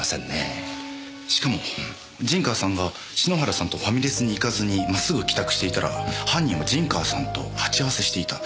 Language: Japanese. しかも陣川さんが篠原さんとファミレスに行かずに真っ直ぐ帰宅していたら犯人は陣川さんと鉢合わせしていた。